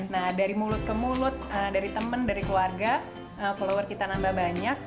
nah dari mulut ke mulut dari temen dari keluarga follower kita nambah banyak